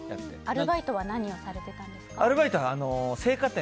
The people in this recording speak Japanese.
アルバイトは何をされてたんですか？